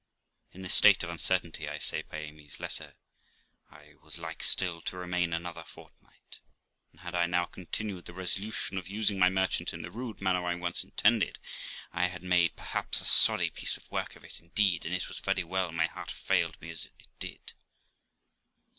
In this state of uncertainty, I say, by Amy's letter, I was like still to remain another fortnight; and had I now continued the resolution of using my merchant in the rude manner I once intended, I had made perhaps a sorry piece of work of it indeed, and it was very well my heart failed me as it did.